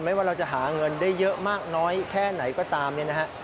ว่าเราจะหาเงินได้เยอะมากน้อยแค่ไหนก็ตามเนี่ยนะฮะ